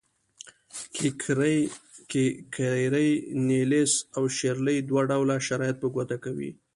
کیکیري، نیلیس او شیرلي دوه ډوله شرایط په ګوته کوي.